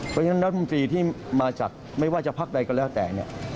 เพราะฉะนั้นรัฐมนตรีที่มาจากไม่ว่าจะพักใดก็แล้วแต่เนี่ย